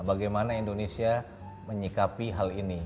bagaimana indonesia menyikapi hal ini